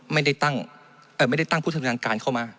ไม่ได้ตั้งเอ่อไม่ได้ตั้งผู้ชำนาญการเข้ามา